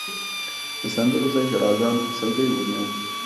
د سندرو ځای ژړاګانو او سلګیو ونیو.